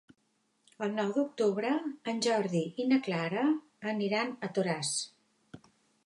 El nou d'octubre en Jordi i na Clara aniran a Toràs.